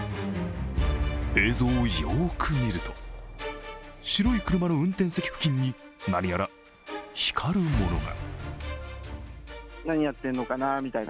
映像をよく見ると、白い車の運転席付近に何やら光るものが。